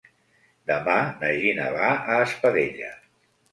Demà na Gina va a Espadella.